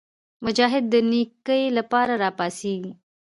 مجاهد د نیکۍ لپاره راپاڅېږي.